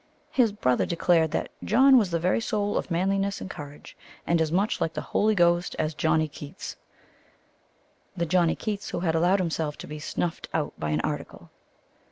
His brother declared that "John was the very soul of manliness and courage, and as much like the Holy Ghost as Johnny Keats" the Johnny Keats who had allowed himself to be "snuffed out by an article."